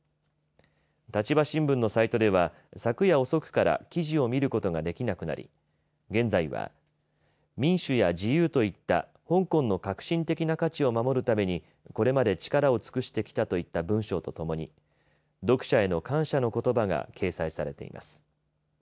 立場新聞のサイトでは昨夜遅くから記事を見ることができなくなり現在は、民主や自由といった香港の核心的な価値を守るためにこれまで力を尽くしてきたといった文章とともに読者への感謝のことばが掲載されています。